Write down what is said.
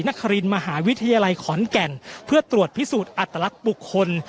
นครินมหาวิทยาลัยขอนแก่นเพื่อตรวจพิสูจน์อัตลักษณ์บุคคล